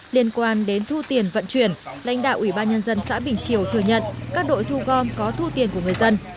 liên quan đến thu tiền vận chuyển lãnh đạo ủy ban nhân dân xã bình triều thừa nhận các đội thu gom có thu tiền của người dân